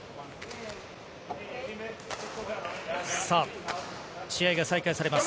さあ、試合が再開されます。